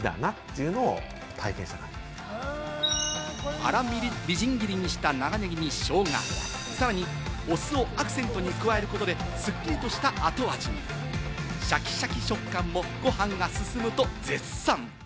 荒切りみじん切りにした長ネギにショウガ、さらにお酢をアクセントに加えることで、すっきりとした後味、シャキシャキ食感もご飯が進むと絶賛。